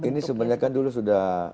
ini sebenarnya kan dulu sudah